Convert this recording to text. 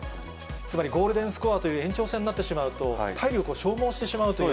つまりゴールデンスコアという延長戦になってしまうと、体力を消耗してしまうという。